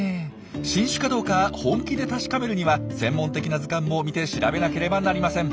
新種かどうか本気で確かめるには専門的な図鑑も見て調べなければなりません。